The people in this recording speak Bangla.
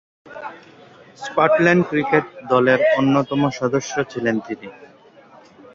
স্কটল্যান্ড ক্রিকেট দলের অন্যতম সদস্য ছিলেন তিনি।